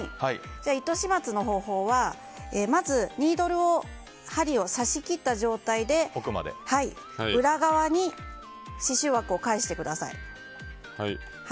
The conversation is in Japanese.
糸始末の方法はまず針を刺し切った状態で裏側に刺しゅう枠を返してください。